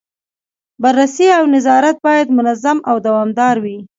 بررسي او نظارت باید منظم او دوامداره وي.